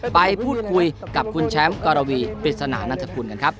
ไปพูดคุยกับคุณแชมป์กรวีปริศนานันทกุลกันครับ